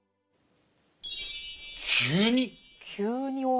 急に？